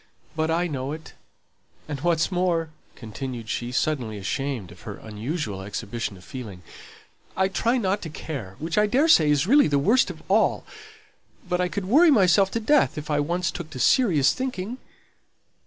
But I know it; and what's more," continued she, suddenly ashamed of her unusual exhibition of feeling, "I try not to care, which I daresay is really the worst of all; but I could worry myself to death if I once took to serious thinking."